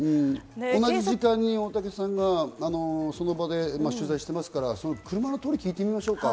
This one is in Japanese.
同じ時間帯に大竹さんがその場で取材していますから、車の通りを聞いてみましょうか。